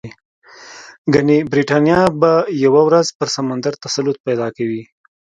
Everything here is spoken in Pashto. ګنې برېټانیا به یوه ورځ پر سمندر تسلط پیدا کوي.